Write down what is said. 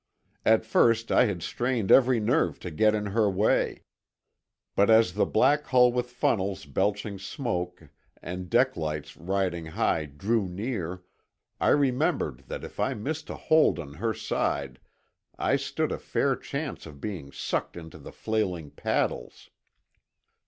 At first I had strained every nerve to get in her way, but as the black hull with funnels belching smoke and deck lights riding high drew near I remembered that if I missed a hold on her side I stood a fair chance of being sucked into the flailing paddles.